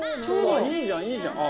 「いいじゃんいいじゃん！」